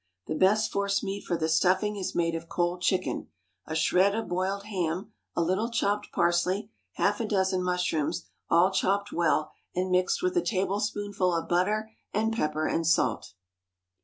The best force meat for the stuffing is made of cold chicken, a shred of boiled ham, a little chopped parsley, half a dozen mushrooms, all chopped well and mixed with a tablespoonful of butter and pepper and salt.